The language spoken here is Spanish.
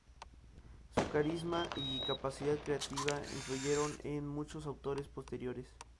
Su carisma y capacidad creativa influyeron en muchos autores posteriores.